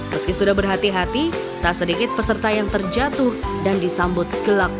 meski sudah berhati hati tak sedikit peserta yang terjatuh dan disambut gelap